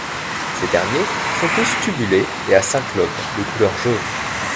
Ces derniers sont tous tubulés et à cinq lobes, de couleur jaune.